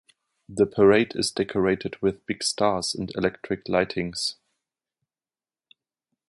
The parade is decorated with big stars and electric lightings.